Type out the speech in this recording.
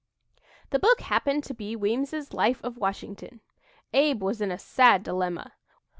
The book happened to be Weems's "Life of Washington." Abe was in a sad dilemma.